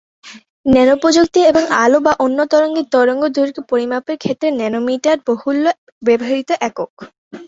Nano প্রযুক্তি এবং আলো বা অন্য তরঙ্গের তরঙ্গদৈর্ঘ্য পরিমাপের ক্ষেত্রে ন্যানোমিটার বহুল ব্যবহৃত একক।